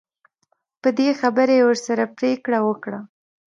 په دې خبره یې ورسره پرېکړه وکړه.